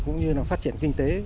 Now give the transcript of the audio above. cũng như là phát triển kinh tế